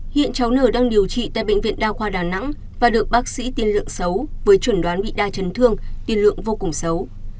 hiện cháu nở đang điều trị tại bệnh viện đa khoa đà nẵng và được bác sĩ tiên lượng xấu với chuẩn đoán bị đa chấn thương tiên lượng vô cùng xấu